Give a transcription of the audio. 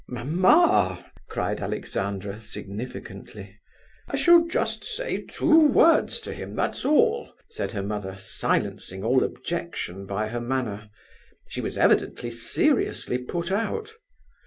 "Mamma!" cried Alexandra, significantly. "I shall just say two words to him, that's all," said her mother, silencing all objection by her manner; she was evidently seriously put out.